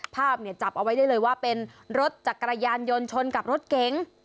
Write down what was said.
ภาพเนี่ยจับเอาไว้ได้เลยว่าเป็นรถจักรยานยนต์ชนกับรถเก๋ง